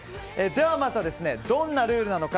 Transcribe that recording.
まずはどんなルールなのか